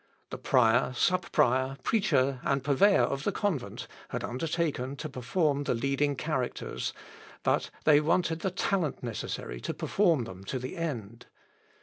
The prior, sub prior, preacher, and purveyor of the convent, had undertaken to perform the leading characters, but they wanted the talent necessary to perform them to the end.